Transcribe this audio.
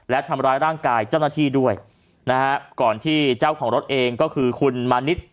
และทำร้ายร่างกายเจ้าหน้าที่ด้วยนะฮะก่อนที่เจ้าของรถเองก็คือคุณมานิด